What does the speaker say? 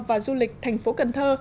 và du lịch thành phố cần thơ